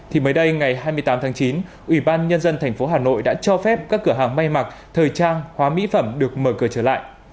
thì mới đây ngày hai mươi tám tháng chín ủy ban nhân dân tp hà nội đã cho phép các cửa hàng may mặc thời trang hóa mỹ phẩm được mở cửa trở lại